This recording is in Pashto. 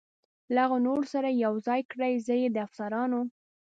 له هغه نورو سره یې یو ځای کړئ، زه یې د افسرانو.